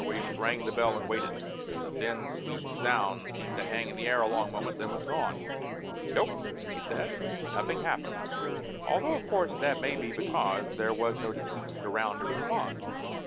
Williams rang the bell and waited. The thin, sweet sound seemed to hang in the air a long moment, then was gone. "Nope," he said. "Nothing happened. Although, of course, that may be because there was no deceased around to respond."